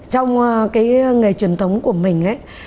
trong cái nghề truyền thống của mình